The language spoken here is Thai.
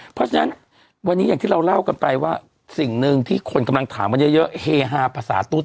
เพราะฉะนั้นวันนี้อย่างที่เราเล่ากันไปว่าสิ่งหนึ่งที่คนกำลังถามกันเยอะเฮฮาภาษาตุ๊ด